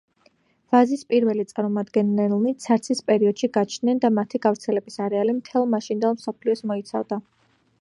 ვაზის პირველი წარმომადგენელნი ცარცის პერიოდში გაჩნდნენ და მათი გავრცელების არეალი მთელ მაშინდელ მსოფლიოს მოიცავდა.